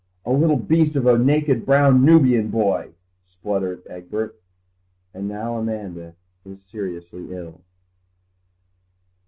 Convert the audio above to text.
"A little beast of a naked brown Nubian boy," spluttered Egbert. And now Amanda is seriously ill.